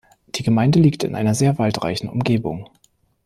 Die Gemeinde liegt in einer sehr waldreichen Umgebung.